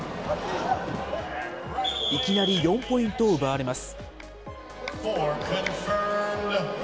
いきなり４ポイントを奪われます。